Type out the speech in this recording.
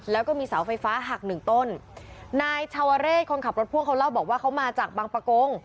แล้วก็มีเสาไฟฟ้าหักหนึ่งต้นนายชาวเรศคนขับรถพ่วงเขาเล่าบอกว่าเขามาจากบางประกง